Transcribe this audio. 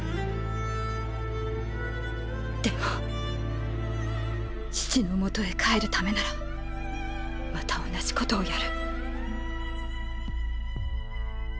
でも父の元へ帰るためならまた同じことをやる。